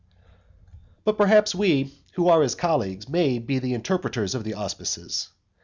IV. But perhaps we, who are his colleagues, may be the interpreters of the auspices?